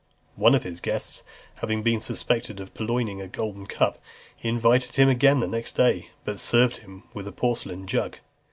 One of his guests having been suspected of purloining a golden cup, he invited him again the next day, but served him with a porcelain jug.